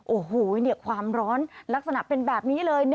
โอ้โหความร้อนลักษณะเป็นแบบนี้เลย